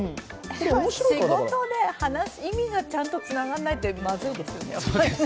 仕事で意味がちゃんとつながらないってまずいですよね。